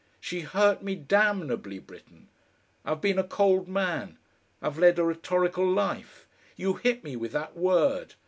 She hurt me damnably, Britten.... I've been a cold man I've led a rhetorical life you hit me with that word!